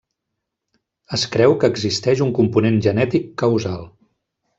Es creu que existeix un component genètic causal.